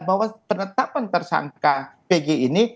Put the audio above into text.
bahwa penetapan tersangka pg ini